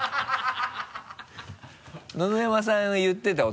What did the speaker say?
野々山さんが言ってた？